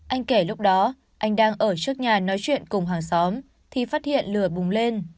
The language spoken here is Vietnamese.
anh kể lúc đó anh đang ở trước nhà nói chuyện cùng hàng xóm thì phát hiện lửa bùng lên